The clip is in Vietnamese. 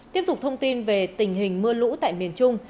tiếp tục thông tin về tình hình mưa lũ tại miền trung